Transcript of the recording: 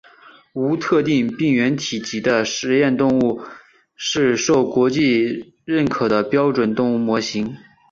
无特定病原体级的实验动物是受国际认可的标准动物模型。